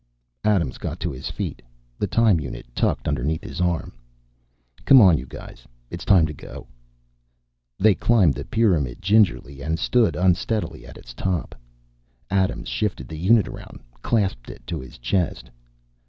Adams got to his feet, the time unit tucked underneath his arm. "Come on, you guys. It's time to go." They climbed the pyramid gingerly and stood unsteadily at its top. Adams shifted the unit around, clasped it to his chest.